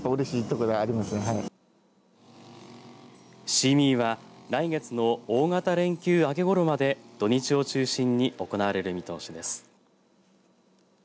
シーミーは来月の大型連休明けごろまで土日を中心に行われる見通しです。